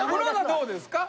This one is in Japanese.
どうですか？